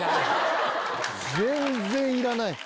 全然いらない。